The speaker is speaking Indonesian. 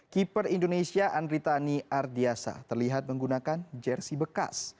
keeper indonesia andritani ardiasa terlihat menggunakan jersi bekas